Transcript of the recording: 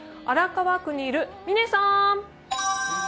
荒川区にいる嶺さん。